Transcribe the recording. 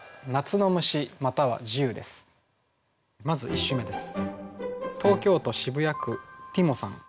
まず１首目です。